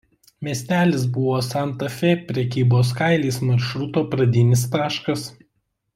Miestelis buvo Santa Fė prekybos kailiais maršruto pradinis taškas.